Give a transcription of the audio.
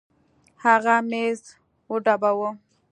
هغه ميز وډباوه.